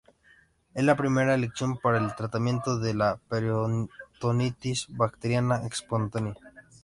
Es de primera elección para el tratamiento de la peritonitis bacteriana espontánea